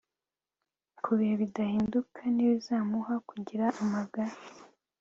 ku bihe bidahinduka ntibizamuha kugira amagara